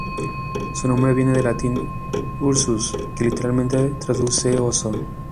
Su nombre viene del latín "Ursus" que literalmente traduce ""Oso"".